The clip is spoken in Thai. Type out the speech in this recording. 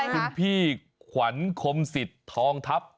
คุณพี่ขวัญคมสิทธิ์ทองทัพ